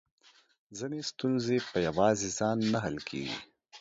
ځينې ستونزې په يواځې ځان نه حل کېږي .